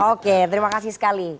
oke terima kasih sekali